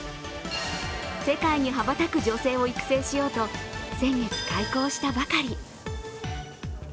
世界に羽ばたく女性を育成しようと先月、開校したばかり。